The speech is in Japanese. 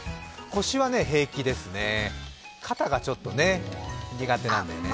腰は平気ですね、肩がちょっと苦手なんだよね。